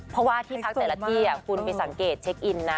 เพราะว่าที่พักแต่ละที่คุณไปสังเกตเช็คอินนะ